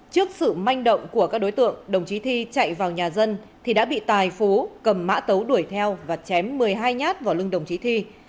trước sự manh động của các đối tượng đồng chí thi chạy vào nhà dân thì đã bị tài phú cầm mã tấu đuổi theo và chém một mươi hai nhát vào lưng đồng chí thi